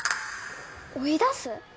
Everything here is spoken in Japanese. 追い出す？